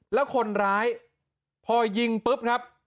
แล้วคนร้ายพอยิงปุ๊บครับ